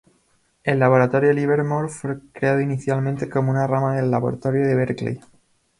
El Laboratorio Livermore fue creado inicialmente como una rama del Laboratorio de Berkeley.